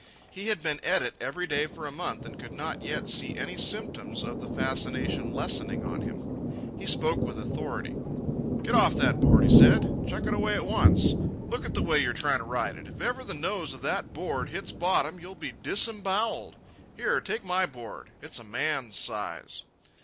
He had been at it every day for a month and could not yet see any symptoms of the fascination lessening on him. He spoke with authority. "Get off that board," he said. "Chuck it away at once. Look at the way you're trying to ride it. If ever the nose of that board hits bottom, you'll be disembowelled. Here, take my board. It's a man's size."